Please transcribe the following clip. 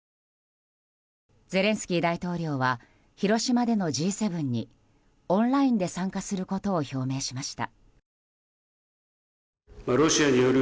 ゼレンスキー大統領は広島でのＧ７にオンラインで参加することを表明しました。